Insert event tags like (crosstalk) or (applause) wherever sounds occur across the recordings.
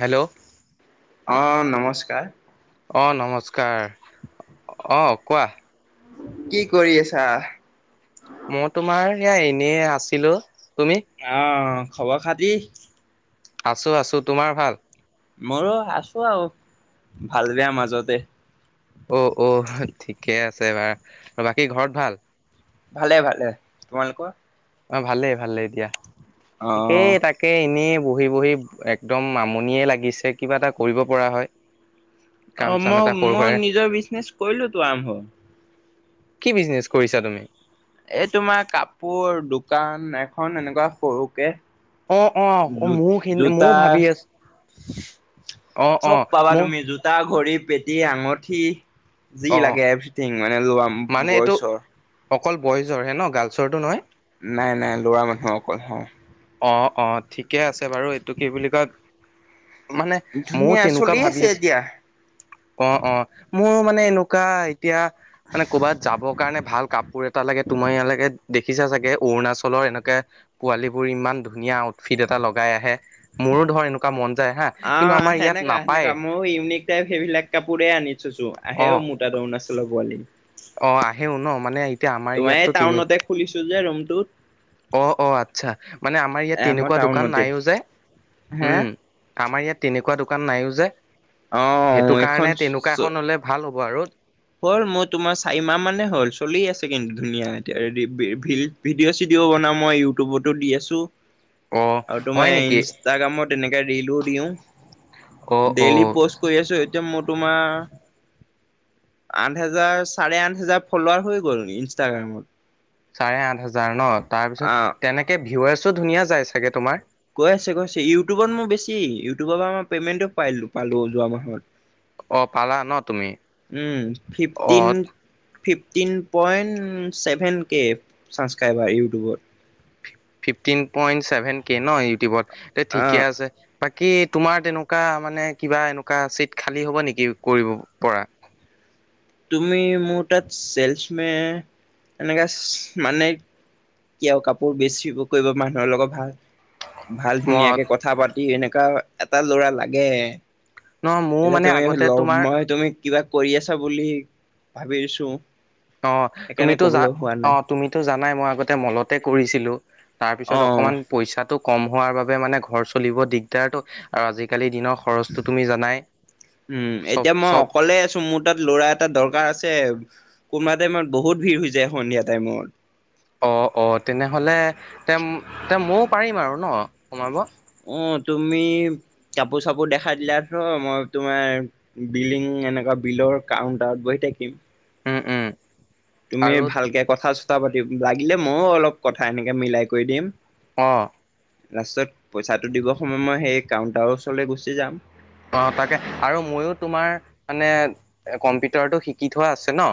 Hello অ', নমস্কাৰ। অ' নমস্কাৰ, অ কোৱা কি কৰি আছা? মই তোমাৰ এয়া এনেই আছিলো তুমি? অ', খবৰ খাতি? আছোঁ, আছোঁ তোমাৰ ভাল? মইো আছো আৰু ভাল বেয়া মাজতে। অ' অ' ঠিকে আছে বাৰ আৰু বাকী ঘৰত ভাল ভালে, ভালে তোমালোকৰ? অ' ভালেই ভালেই এতিয়া কেই অ', তাক তাকে এনেই বহি বহি একদম আমনিয়ে লাগিছে কিবা এটা কৰিব পৰা হয়। কাম অ' চাম এটা মই সৰু সুৰা মই নিজৰ বিজনেচ কৰিলো তো আৰম্ভ। কি বিজনেছ কৰিছা তুমি? এই তোমাৰ কাপোৰ দোকান এখন এনেকুৱা সৰুকে অ' অ' জো মোৰ খিনি জোতা ময় ভাবি আছো অ' অ মোৰ তাৰ ঘড়ী পেটি আঙঠি যি অ লাগে এভ্ৰিথিং মানে লোৱা মানে এইটো বয়চৰ অকল বয়জৰ হে ন গাৰ্লছৰটো নহয়? নাই নাই লৰা মানুহ অকল হে। অ' অ' ঠিকে আছে বাৰু এইটো কি বুলি কয় মানে ময় ধুনীয়া তেনেকুৱা চলি ভাবি আছে আছো এতিয়া। অ' অ' মোৰ মানে এনেকুৱা এতিয়া মানে ক'ৰবাত যাবৰ কাৰণে ভাল কাপোৰ এটা লাগে তুমাৰ ইয়ালৈকে দেখিছা চাগে অৰুণাচলৰ এনেকে পোৱালীবোৰ ইমান ধুনীয়া আউটফিট এটা লগাই আহে, মোৰো ধৰ এনেকুৱা মন যায় হা। আ, কিন্তু আমাৰ ইয়াত সেনেকা, নাপায় সেনেকা ময়ো ইউনিক (unintelligible) সেইবিলাক কাপোৰে আনি থৈছোঁ, অ', আহেও মোৰ তাত অৰুণাচলৰ পোৱালী। অ' আহেও ন? মানে এতিয়া আমাৰ তোমাৰ, এই ইয়াততো তেনে টাউনতে খুলিছোঁ যে ৰুমটো। অ' অ' আচ্ছা। মানে আমাৰ ইয়াত এ মই তেনেকুৱা দোকান টাউনতে নাইয়ো যে হে? উম আমাৰ ইয়াত তেনেকুৱা দোকান নাইয়ো যে, অ সেইটো এইখন কাৰণে তেনেকুৱা চ- এখন হ'লে ভাল হ'ব আৰু হ'ল, মোৰ তোমাৰ চাৰিমাহ মানে হ'ল। চলি আছে কিন্তু, ধুনীয়া এতিয়া (unintelligible) ভিডিঅ' চিডিঅ'বনাও মই, ইউটিউবটো দি আছোঁ। অ', আৰু তোমাৰ, হয় নেকি ইনষ্টাগ্ৰামত এনেকে ৰিলো দিওঁ। অ', ডেইলী অ', পষ্ট কৰি আছোঁ, এতিয়া মোৰ তোমাৰ আঠ হেজাৰ, চাৰে আঠ হেজাৰ ফ'লৱাৰ হৈ গ'ল ইনষ্টাগ্ৰামত। চাৰে আঠ হেজাৰ ন? অ তাৰপিছত তেনেকে, ভিউৱাৰ্ছো ধুনীয়া যায় চাগে তোমাৰ? গৈ আছে, গৈ আছে। ইউটিউবত মোৰ বেছি, ইউটিউবৰ পৰা মই পেমেণ্টটো পাইলো পালোঁ যোৱা মাহত। অ পালা ন তুমি উম, অ fifteen fifteen point, seven K subscriber ইউটিউবত। ফিপটিন পইন্ট ছেভেন কে ন? ইউটিউবত তে ঠিকে আহ আছে। বাকী তোমাৰ তেনেকুৱা, মানে কিবা এনেকুৱা, চিট খালী হ'ব নেকি কৰিব পৰা? তুমি মোৰ তা'ত চেলচমে এনেকা চে' মানে এতিয়াও কাপোৰ বেচিব কৰিব মানুহৰ লগত ভাল। ভাল মত ধুনীয়াকে কথা পাতি এনেকুৱা এটা ল'ৰা লাগে। ন মোৰ এতিয়া মানে তুমিহ আগতে ল' তোমাৰ মই তুমি- কিবা কৰি আছা বুলি ভাবি আছোঁ। অঁ', তুমিতো যা' অঁ',। তুমিতো জানাই মই আগতে মলতে কৰিছিলোঁ, তাৰপিছত অ'। অকণমান- পইচাটো কম হোৱাৰ বাবে মানে ঘৰ চলিব দিগদাৰটো, আৰু আজিকালি দিনত উমঁ, চব এতিয়া মই চব অকলেই আছো মোৰ তা'ত ল'ৰা এটা দৰকাৰ আছে, কোনোবা টাইমত বহুত ভিৰ হৈ যায় সন্ধিয়া টাইমত। অ', -অ', তেনেহ'লে তেম-তে ময়ো পাৰিম আৰু ন' সোমাব? অঁ', -তুমি কাপোৰ-চাপোৰ দেখাই দিলাটো মই তোমাৰ বিলিং এনেকুৱা বিলৰ কাউন্টাৰত বহি থাকিম। উমঁ-উমঁ। তুমি ভালকে কথা-চথা পাতি লাগিলে ময়ো অলপ কথা এনেকে মিলাই কৰি দিম। অ'। লাষ্টত পইচাটো দিবৰ সময়ত মই সেই কাউণ্টাৰ ওচৰলে গুচি যাম। অঁ', -তাকে, আৰু মইও তোমাৰ মানে কম্পিউটাৰটো শিকি থোৱা আছে ন'।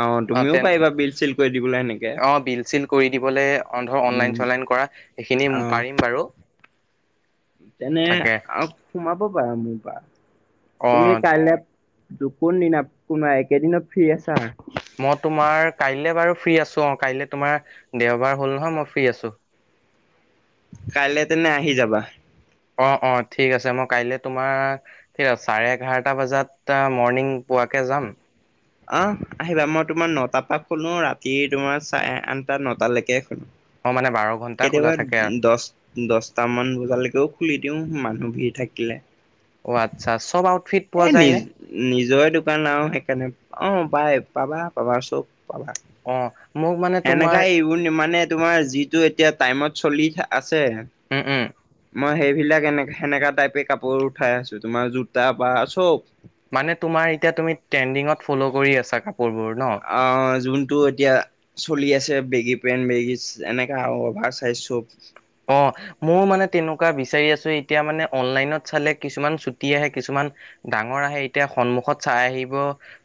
অ' অঁ', তুমিও -তেন, পাৰিবা বিল চিল কৰি দিবলৈ এনেকে অঁ', -বিল-চিল কৰি দিবলে অঁ', ধৰ উম, অনলাইন-চনলাইন কৰা। সেইখিনি অ' পাৰিম বাৰু। তেনে তাকে আৰু সোমাব পাৰা মোৰ পৰা। তুমি অ', কাইলে- কোন দিনা কোনোবা এইকেদিনত ফ্ৰী আছা? মই তোমাৰ কাইলে বাৰু ফ্ৰী আছো অঁ', কাইলে তোমাৰ দেওঁবাৰ হ'ল নহয় মই ফ্ৰী আছোঁ। কাইলে তেনে আহি যাবা। অঁ', -অঁ', ঠিক আছে। মই কাইলে তোমাৰ- কেটাত, চাৰে এঘাৰটা বজাত তাৰ মৰ্ণিং পোৱাকে যাম। অঁহ', আহিবা, মই তোমাৰ ন'টাপা খোলোঁ ৰাতি তোমাৰ চাৰে আঠটা, ন'টালেকে খোলোঁ। অ', মানে বাৰ ঘণ্টা খোলা কেতিয়াবা থাকে আৰু দহ- দহটামান বজালেকেওঁ খুলি দিওঁ মানুহ ভিৰ থাকিলে। অ' আচ্ছা' চব আউটফিট- পোৱা এ' যায়নে নিজ-নিজৰে দোকান আউ সেইকাৰণে, অঁ' পায়, পাবা-পাবা চব পাবা। অঁ'। এনেকাই এইবোন মানে তোমাৰ যিটো এতিয়া টাইমত চলি আছে। উম-উম। মই সেইবিলাক এনেক-সেনেকা টাইপে কাপোৰ উঠাই আছো তোমাৰ জোতা বা চব। মানে তোমাৰ এতিয়া তুমি ট্ৰেণ্ডিঙত ফ'ল' কৰি আছা কাপোৰবোৰ ন? অঁ', যোনটো এতিয়া- চলি আছে বেগী পেন, বেগিছ এনেকা অভাৰ চাইজ চব। অঁ'। মও মানে তেনেকুৱা বিচাৰি আছো এতিয়া মানে অনলাইনত চালে কিছুমান ছুটি আহে, কিছুমান- ডাঙৰ আহে। এতিয়া সন্মুখত চাই আহিব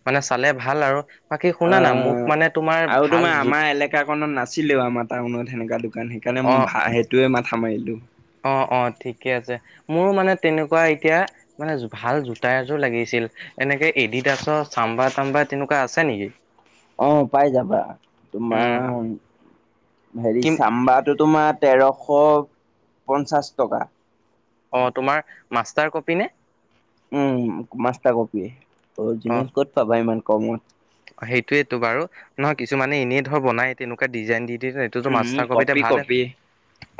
মানে চালে ভাল আৰু। বাকী শুনা না, মোক মানে তোমাৰ ভাল জোতা- কা খনত নাছিলেও আমাৰ টাউনত সেনেকা দোকান সেইকাৰণে মই ভা' সেইটোৱে মাথা মাৰিলো। অঁ', -অঁ', ঠিকে আছে। মোৰো মানে তেনেকুৱা এতিয়া- মানে জো' ভাল জোতা এযোৰ লাগিছিল। এনেকে এডি ডাছৰ চাম্বা তাম্বা তেনেকুৱা আছে নেকি? অ' পাই যাবা। উম তোমাৰ, হেৰি কিম চাম্বাৰটো তোমাৰ তেৰশ পঞ্চাছ টকা। অ, তোমাৰ মাষ্টাৰ কপি নে? উম, মাষ্টাৰ কপিয়ে, অৰিজিনেল ক'ত পাবা? ইমান কমত। সেইটোয়েটো বাৰু, নহয় কিছুমানে এনেই ধৰা বনাই তেনেকুৱা ডিজাইন দি দিয়ে হয়? এইটোতো উম মাষ্টাৰ কপিতে কপি ভালেহে। কপি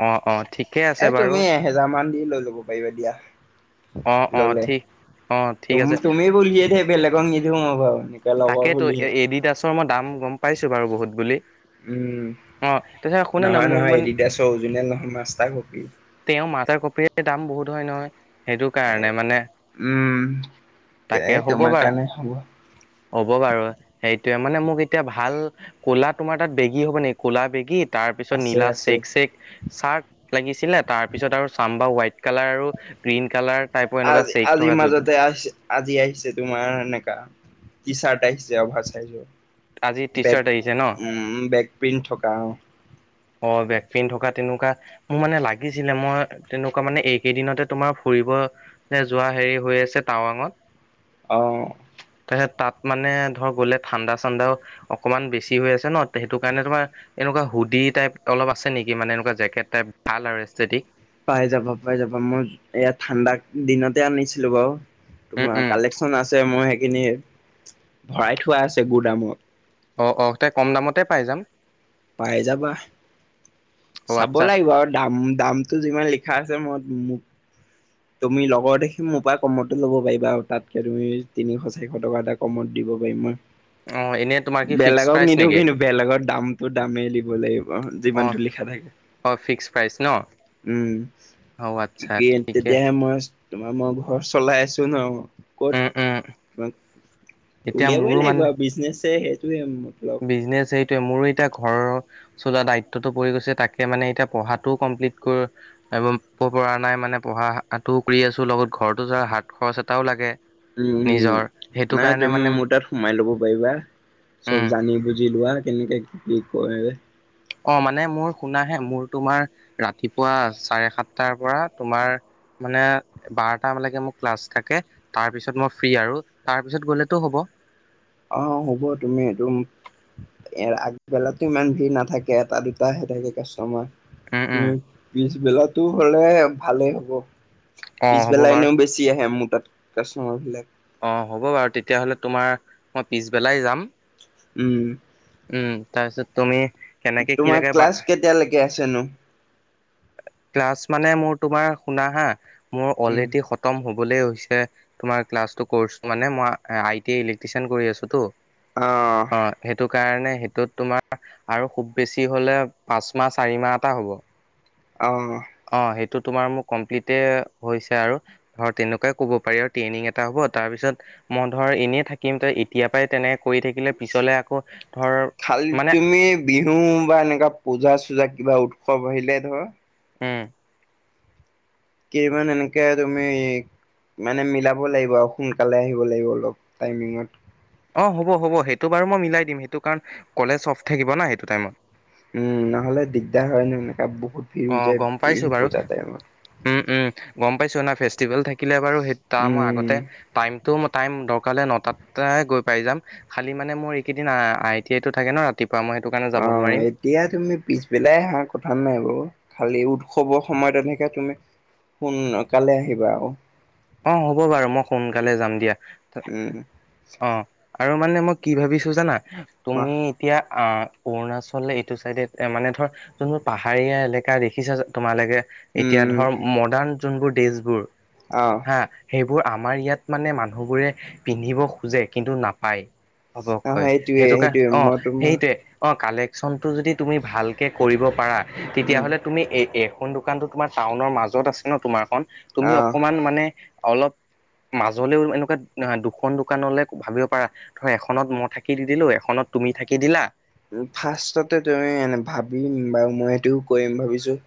অ, অ। ঠিকে আছে এ, বাৰু তুমি এহেজাৰ মান দি লৈ ল'ব পাৰিবা দিয়াহ। অ অ ল'লে, ঠিক অ ঠিক তুম আছে তুমি বুলিহে দেই বেলেগক নিদো মই বাৰু এনেকে। লগৰ তাকেটো এ বুলিহে এডিডাছৰ মই দাম গম পাইছোঁ বাৰু বহুত বুলি। উম, অ তাৰপিছত শুনা না নহয় মোক নহয় মানে এডিডাছৰ অৰিজিনেল নহয় মাষ্টাৰ কপি। তেওঁ মাদাৰ কপিৰে দাম বহুত হয় নহয়! সেইটো এ, কাৰণে মানে, তাকে হ'ব বাৰু। এ, হ'ব। হ'ব বাৰু, সেইটোয়ে, মানে মোক এতিয়া ভাল ক'লা তোমাৰ তাত বেগী হ'ব নেকি? ক'লা বেগীত তাৰপিছত আছে নীলা আছে। চেক চেক চাৰ্ট লাগিছিলে, তাৰপিছত আৰু চাম্বা হোৱাইট কালাৰ আৰু গ্ৰীণ কালাৰ টাইপৰ এনেকুৱা আজ চেক আজিৰ থকা য'ত মাজতে আহিছে, আজি আহিছে তোমাৰ এনেকা। টি চাৰ্ট আহিছে অভাৰ চাইজৰ, আজি টি চাৰ্ট বেক আহিছে ন উম বেক প্ৰিন্ট থকা অ'। অ'বেক প্ৰিন্ট থকা তেনেকুৱা মো মানে লাগিছিলে, মই তেনেকুৱা মানে এইকেইদিনতে তোমাৰ ফুৰিব লে যোৱা হেৰি হৈ আছে টাৱাঙত। অ'। তাৰপিছত, তাত মানে ধৰ গ'লে ঠাণ্ডা চাণ্ডাও অকনমান বেছি হৈ আছে ন? তে সেইটো কাৰণে তোমাৰ এনেকুৱা হুদিত টাইপ অলপ আছে নেকি? মানে এনেকুৱা জেকেট টাইপ ভাল আৰু এষ্ঠেটিক। পাই যাবা, পাই যাবা। মই এইয়া ঠাণ্ডা দিনতে আনিছিলো বাৰু উম তোমাৰ উম কালেকশ্য শ্যন আছে মই সেইখিনি, ভৰাই থোৱা আছে গুদামত। অ, অ'ক তে কম দামতে পাই যাম। পাই যাবাহ, অ চাব আচ্ছা লাগিব আৰু দাম দাম টো যিমান লিখা আছে মইত মোক তুমি লগৰ দেখি মোৰ পৰা কমতো ল'ব পাৰিবা আৰু তাতকে তুমি তিনিশ চাৰিশ টকা এটা কমত দিব পাৰিম মই। অ' এনেই তোমাৰ। কি ফিক্স বেলেগক প্ৰাইচ নিদিও নেকি কিন্তু বেলেগৰ দামটো দামেই দিব লাগিব অ যিমানটো লিখা থাকে। অ' ফিক্স প্ৰাইচ ন। উম। অ আচ্ছা ঠিকে তেতিয়া। মই তোমাৰ মই ঘৰ চলাই আছো ন'। ক'ত উম উম তোমাক এতিয়া উলিয়াবই মোৰো লাগিব মানে আৰু বিজনেছহে সেইটোৱে মটলৱ। বিজনেচ সেইটোৱে মোৰ এতিয়া ঘৰৰ। চলোৱা দায়িত্বটো পৰি গৈছে তাকে মানে এতিয়া পঢ়াটোও কমপ্লিট কৰ। ব পৰা নাই মানে পঢ়াটোও কৰি আছোঁ লগত ঘৰতো যা হাত খৰচ এটাও লাগে। উম উম নিজৰ সেইটো নাই কাৰণে তুমি মানে মোৰ তাত সোমাই ল'ব পাৰিবা। চব উম জানি বুজি লোৱা কেনেকে কি কৰে। অ' মানে মোৰ শুনা হা। মোৰ তোমাৰ ৰাতিপুৱা চাৰে সাতটাৰ পৰা তোমাৰ। মানে বাৰটামালৈকে মোৰ ক্লাছ থাকে তাৰপিছত মই ফ্ৰী আৰু। তাৰপিছত গ'লেতো হ'ব? অ' অ'হ হ'ব। তুমি এদুম এ য়া আগবেলাতো ইমান ভিৰ নাথাকে। এটা-দুটাহে থাকে কাষ্টমাৰ। উম উম তুমি পিছবেলাটো হ'লে ভালেই হ'ব। অ হ'ব পিছবেলা বাৰু এনেও বেছি বেছি আহে, মোৰ তাত কাষ্টমাৰবিলাক। অ' হ'ব বাৰু। তেতিয়াহ'লে তোমাৰ, মই পিছবেলাই যাম। উম উম। তাৰপিছত তুমি কেনেকে কি তোমাৰ লাগে বা ক্লাছ কেতিয়ালৈকে আছেনো? ক্লাছ মানে, মোৰ তোমাৰ শুনা হা- মোৰ উম অলৰেডি সত -তম হবলৈ হৈছে তোমাৰ ক্লাছটো কোৰ্চ মানে, মই আ - আই টি আই ইলেক্ট্ৰিচিয়ান কৰি আছোতো অ'হ। অ'হ। সেইটো কাৰণে সেইটোত তোমাৰ আৰু খুব বেছি হলে, পাঁচ মাহ -চাৰি মাহ এটা হ'ব। অ'হ। অ'হ। সেইটো তোমাৰ মোৰ কমপ্লিতে হৈছে আৰু। ধৰ তেনেকুৱাই ক'ব পাৰি আৰু। ট্ৰেইনিং এটা হ'ব। তাৰপিছত মই ধৰ, এনেই থাকিম। ত' এতিয়াৰ পৰাই তেনেকে কৰি থাকিলে, পিছলে আকৌ খালি ধৰ মানে তুমি বিহু বা এনেকুৱা পূজা-চোজা কিবা উৎসৱ আহিলে, ধৰ উম কিমান এনেকে তুমি মানে মিলাব লাগিব আও। সোনকালে আহিব লাগিব। অলপ টাইমিংত অ' হ'ব। হ'ব। সেইটো বাৰু মই মিলাই দিম। সেইটো কাৰণ কলেজ অফ থাকিব না, সেইটো টাইমত। উম। নহলে দিগদাৰ হয় ন, এনেকা বহুত ভিৰ অ হৈ গম পাইছো যায় বাৰু পূজা টাইমত। উম। উম। গম পাইছোঁ না। ফেষ্টিভেল থাকিলে বাৰু সেই তাৰ মই উম। আগতে টাইমটো ম টাইম, দৰকাৰ হলে নটাতে গৈ পাই যাম। খালি মানে মোৰ এইকেইদিন আ আই টি আই টো থাকে ন ৰাতিপুৱা, মই সেইটো কাৰণে যাব নোৱাৰিম। দিয়া তুমি পিছবেলাই আহা। কথা নাই বাৰু। খালি উৎসৱৰ সময়ত এনেকে তুমি সোন কালে আহিবা আও। অ' হ'ব বাৰু। ম সোনকালে যাম দিয়া। উম অ'হ। আৰু মানে মই, কি ভাবিছো জানা! কোৱা তুমি এতিয়া, আ অৰুণাচলে এইটো চাইডে এতিয়া, মানে ধৰ যোনবোৰ পাহাৰীয়া এলেকা দেখিছা তোমালোকে, এতিয়া উম ধৰ মডাৰ্ণ যোনবোৰ ড্ৰেছবোৰ অ'হ হা। সেইবোৰ আমাৰ ইয়াত মানে মানুহবোৰে পিন্ধিব খোজে, কিন্তু নাপায়। আহ ঘপককৈ। সেইটোৱে সেইটো কাৰ সেইটোৱে মই -অ' তোমাৰ সেইটোৱেই অ'হ। কালেকশ্যনটো যদি তুমি ভালকৈ কৰিব পাৰা, উম তেতিয়াহ'লে তুমি এই- এইখন দোকানটো তোমাৰ টাউনৰ মাজত আছে ন, তোমাৰখন। তুমি আহ অকমান মানে অলপ মাজলেও এনেকুৱা, দুখন দোকানলে ভাবিব পাৰা। ধৰা, এখনত মই থাকি দি দিলোঁ। এখনত তুমি থাকি দিলা ফাৰ্ষ্টতে তুমি এন ভাবিম বাও। মই সেইটোও কৰিম ভাবিছোঁ।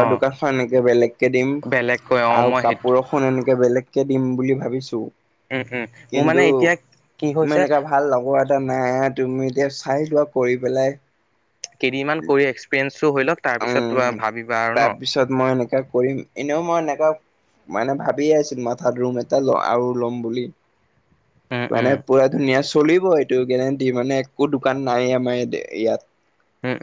অ দোকানখন এনেকে বেলেগকে দিম। বেলেগকৈ অ আৰু মই সেইটো কাপোৰৰখ -খন এনেকে বেলেগকে দিম বুলি ভাবিছোঁ। উম। উম। মোৰ মানে এতিয়া কি মই হৈছে! এনেকা ভাল লগৰ এটা নাই তুমি এতিয়া চাইলোৱা কৰি পেলাই। কেইদিনমান কৰি এক্সপিৰিয়েঞ্চটো হৈ লওক তাৰপিছত উম, ভাবিবা আৰু ন তাৰপিছত মই এনেকে কৰিম। এনেও মই এনেকুৱা মানে ভাবিয়ে আছিলোঁ, মাথাত ৰুম এটা ল আৰু ল'ম বুলি। উম, মানে উম, পুৰা ধুনীয়া চলিব এইটো, গেৰেন্টি মানে একো দোকান নাই আমাৰ ইয়াত। উম,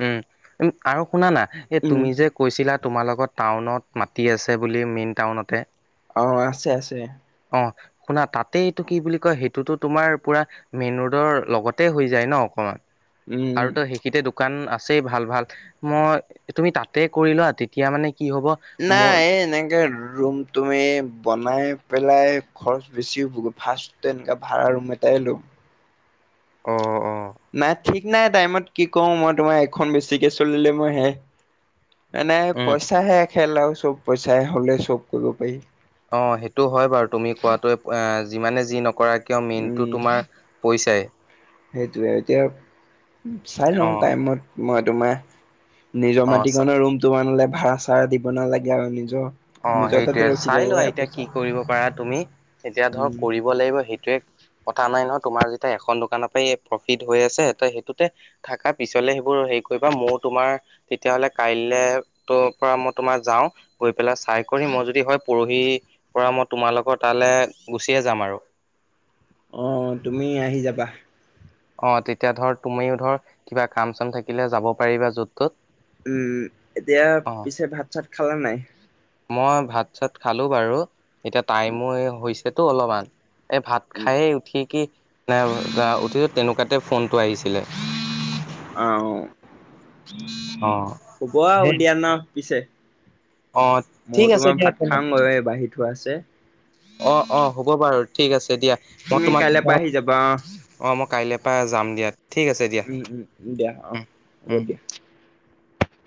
উম, আৰু শুনা না এই উম তুমি যে কৈছিলা তোমাৰ লোকৰ টাউনত মাটি আছে বুলি, মেইন টাউনতে। অ', আছে আছে। অ', শুনা তাতেই এইটো কি বুলি কয়, সেইটোতো তোমাৰ পুৰা মেইন ৰোডৰ লগতে হৈ যায় ন' অকমান, উম। আৰুতো সে তেতিয়া, দোকান আছেই ভাল ভাল মই তুমি তাতে কৰি লোৱা। তেতিয়া মানে কি হ'ব মোৰ নাই এনেকে ৰুম তুমি বনাই পেলাই খৰচ বেছি হ'বগৈ। ফাৰ্ষ্টটো এনেকা ভাড়া ৰুম এটাই ল'ম। অ', অ'। নাই ঠিক নাই টাইমত কি কৰোঁ। মই তোমাৰ এইখন বেছিকে চলিলে মই সে মানে উম, পইচাহে খেল আৰু চব পইচাহ হ'লে চব কৰিব পাৰি। অ', সেইটো হয় বাৰু তুমি কোৱাটোৱে, যিমানে যি নকৰা কিয় মেইনটো তোমাৰ পইচাই। সেইটোৱে এতিয়া চাই লওঁ, অ', টাইমত মই তোমাৰ নিজৰ অ', মাটিকণৰ ৰুমটো বানলে ভাড়া-চাড়া দিব নালাগে আৰু নিজৰ অ', নিজৰ তাতে সেইটোৱে, ৰখি যাব চাই লোৱা এয়া এতিয়া পইচা কি কৰিব পাৰা তুমি, এতিয়া ধৰ উম কৰিব লাগিব সেইটোৱে কথা নাই নহয়, তোমাৰ, যেতিয়া এখন দোকানৰ পৰাই প্ৰফিট হৈ আছে, তে সেইটোতে থাকা পিছলে সেইবোৰ হেৰি কৰিবা মোৰো তোমাৰ তেতিয়াাহ'লে কাইলে ত' পৰা মই তোমাৰ যাও। গৈ পেলাই চাই কৰি মই যদি হয়, পৰহি পৰা মই তোমালোকৰ তালৈ গুচিয়ে যাম আৰু। অ', তুমি আহি যাবা। অ', তেতিয়া ধৰ তুমিও ধৰ কাম-চাম থাকিলে যাব পাৰিবা য'ত-ত'ত। উম, এতিয়া পিছে ভাত-চাত খালা নে নাই? মই ভাত-চাত খালো বাৰু, এতিয়া টাইমো হৈছেতো অলপমান। এই ভাত খাইে উঠি কি উঠিছো তেনেকুৱাতে ফোনটো আহিছিলে। অ'। অ'। হ'ব আৰু দিয়া ন' পিছে। অ ঠিক ময়ো আছে তোমাৰ দিয়া ভাত তেনে খাওগৈ, এই বাঢ়ি থোৱা আছে। অ', অ', হ'ব বাৰু ঠিক আছে দিয়া, মই তুমি তোমাক কাইলৈ পৰা আহি যাবা অ', মই কাইলৈ পৰা যাম দিয়া। ঠিক আছে দিয়া উম, উম, দিয়া অ', উম উম। হ'ব দিয়া।